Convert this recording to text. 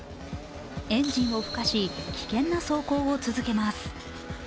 エンジンをふかし、危険な走行を続けます。